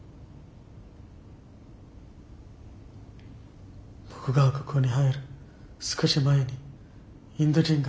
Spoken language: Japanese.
僕がここに入る少し前にインド人が自殺した。